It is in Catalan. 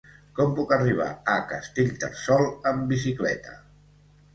Com puc arribar a Castellterçol amb bicicleta?